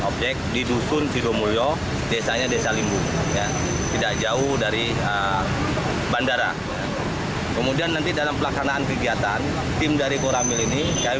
kemudian satu kelompok tim sosialisasi putus yang akan menjelaskan tentang larangan